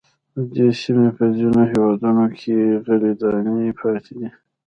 د دې سیمې په ځینو هېوادونو کې غلې دانې پاتې دي.